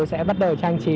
sẽ bắt đầu trang trí